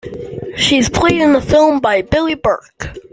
She is played in the film by Billie Burke.